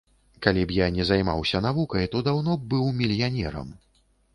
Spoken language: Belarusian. Калі б я не займаўся навукай, то даўно б быў мільянерам.